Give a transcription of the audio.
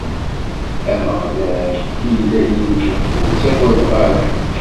Ameɣlal illa yid-i, ur ttaggadeɣ ara.